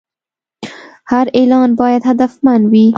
هر اعلان باید هدفمند وي.